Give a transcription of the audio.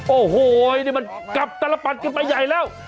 โอ้โหนี่มันกลับตลปัดกันไปใหญ่แล้ว